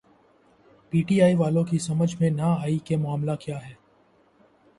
P T I والوں کی سمجھ میں نہ آئی کہ معاملہ کیا ہے۔